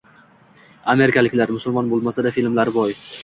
Amerikaliklar: musulmon boʻlmasa-da, filmlari boy.